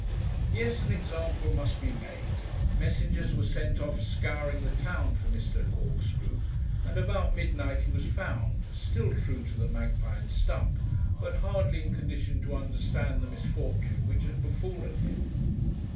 Yes, an example must be made. Messengers were sent off scouring the town for Mr. Corkscrew, and about midnight he was found, still true to the 'Magpie and Stump,' but hardly in condition to understand the misfortune which had befallen him.